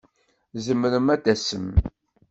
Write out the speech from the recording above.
Tzemrem ad tasem?